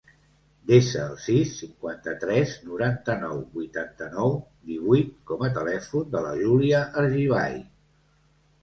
Desa el sis, cinquanta-tres, noranta-nou, vuitanta-nou, divuit com a telèfon de la Júlia Argibay.